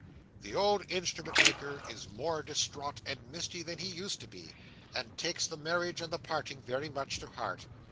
The old Instrument maker is more distraught and misty than he used to be, and takes the marriage and the parting very much to heart.